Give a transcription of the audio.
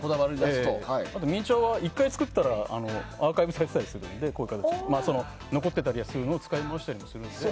あと、ミニチュアは１回作ったらアーカイブされてたりするので残っていたりするのを使い回せたりもするので。